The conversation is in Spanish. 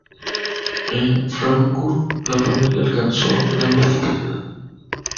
En Frankfurt, la familia alcanzó gran prosperidad.